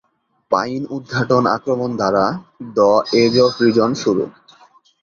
Pine উদ্ঘাটন আক্রমণ দ্বারা "দ্য এজ অফ রিজন" শুরু।